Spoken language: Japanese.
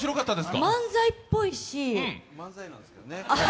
漫才っぽいし。